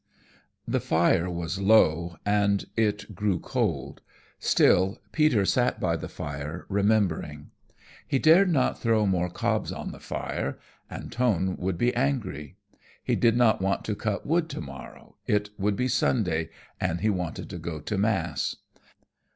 The fire was low, and it grew cold. Still Peter sat by the fire remembering. He dared not throw more cobs on the fire; Antone would be angry. He did not want to cut wood tomorrow, it would be Sunday, and he wanted to go to mass.